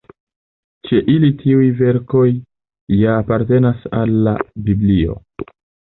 Ĉe ili tiuj verkoj ja apartenas al la Biblio.